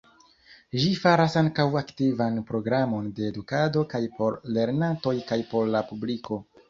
Ĝi faras ankaŭ aktivan programon de edukado kaj por lernantoj kaj por la publiko.